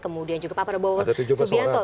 kemudian juga pak prabowo subianto